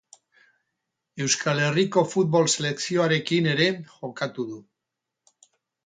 Euskal Herriko futbol selekzioarekin ere jokatu du.